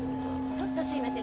ちょっとすいません。